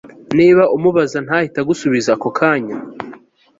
niba umubaza ntahite agusubiza ako kanya